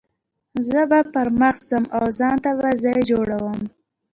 زه به پر مخ ځم او ځان ته به ځای جوړوم.